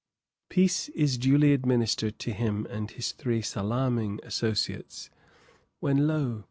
Pice is duly administered to him and his three salaaming associates, when, lo!